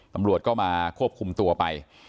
ตำรวจก็มาควบคุมตัวไป